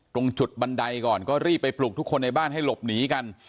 ตรงจุดบันไดก่อนก็รีบไปปลุกทุกคนในบ้านให้หลบหนีกัน